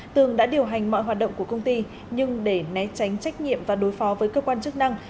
tường đã điều hành mọi hoạt động của công ty nhưng để né tránh trách nhiệm và đối phó với cơ quan chức năng